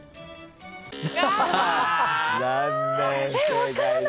分からない。